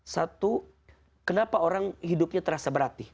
satu kenapa orang hidupnya terasa berat nih